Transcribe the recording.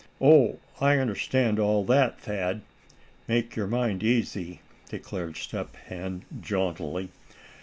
"Oh! I understand all that, Thad; make your mind easy," declared Step Hen, jauntily.